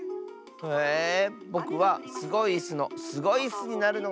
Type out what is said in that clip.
へえぼくはすごいイスのスゴイッスになるのがゆめだよ。